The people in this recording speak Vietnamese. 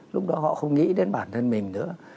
lúc đó họ không nghĩ đến bản thân mình nữa